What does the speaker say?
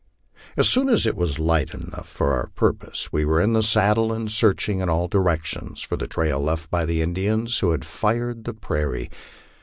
As soon as it was light enough for our purpose, we were in the saddle and searching in all directions for the trail left by the Indians who had fired the prairie.